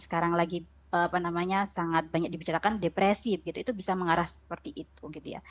sekarang lagi apa namanya sangat banyak dibicarakan depresif gitu itu bisa mengarah seperti itu gitu ya